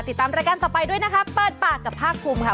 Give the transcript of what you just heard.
ติดตามด้านการต่อไปด้วยนะครับเปิดปากกับภาคกลุมค่ะ